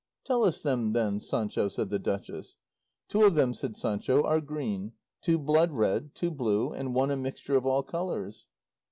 "Tell us them then, Sancho," said the duchess. "Two of them," said Sancho, "are green, two blood red, two blue, and one a mixture of all colours."